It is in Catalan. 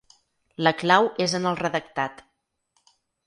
La clau és en el redactat.